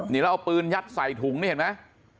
นี่แล้วเอาปืนยัดใส่ถุงนี่เห็นไหม